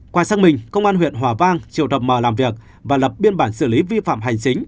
qua xác minh công an huyện hòa vang triệu tập mở làm việc và lập biên bản xử lý vi phạm hành chính